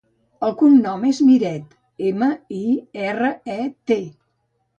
El cognom és Miret: ema, i, erra, e, te.